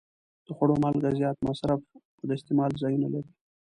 د خوړو مالګه زیات مصرف او د استعمال ځایونه لري.